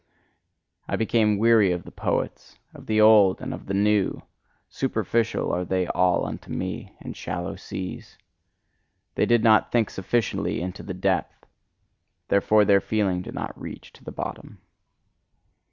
I became weary of the poets, of the old and of the new: superficial are they all unto me, and shallow seas. They did not think sufficiently into the depth; therefore their feeling did not reach to the bottom.